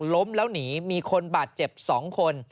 ล้มแล้วหนีมีคนบาดเจ็บ๒คน